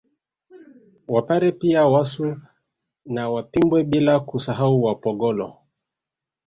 Wapare pia Wasu na Wapimbwe bila kusahau Wapogolo